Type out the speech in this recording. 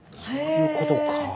そういうことか。